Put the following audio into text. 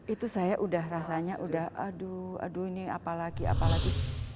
itu saya udah rasanya udah aduh aduh ini apa lagi apa lagi